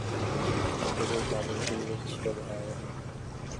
এদের কাজের পরিবেশ ছিল ভয়াবাহ।